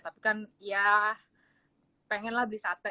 tapi kan ya pengenlah beli sate